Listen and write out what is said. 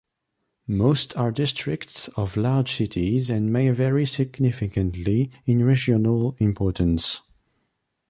Most are districts of large cities and may vary significantly in regional importance.